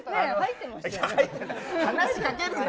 話しかけるな。